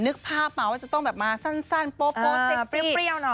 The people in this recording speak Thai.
นึกภาพมาว่าจะต้องแบบมาสั้นโป๊เซ็กเปรี้ยวหน่อย